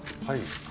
はい。